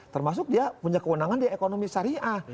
termasuk dia punya kewenangan di ekonomi syariah